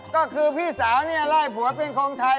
ก็คือพี่สาวเนี่ยไล่ผัวเป็นคนไทย